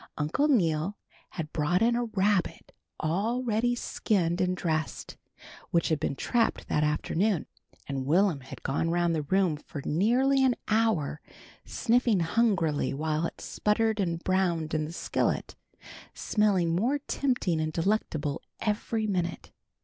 Uncle Neal had brought in a rabbit all ready skinned and dressed, which he had trapped that afternoon, and Will'm had gone around the room for nearly an hour, sniffing hungrily while it sputtered and browned in the skillet, smelling more tempting and delectable every minute.